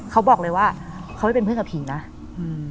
เขาบอกเลยว่าเขาไม่เป็นเพื่อนกับผีนะอืม